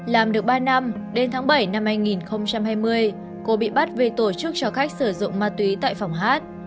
làm được ba năm đến tháng bảy năm hai nghìn hai mươi cô bị bắt về tổ chức cho khách sử dụng ma túy tại phòng hát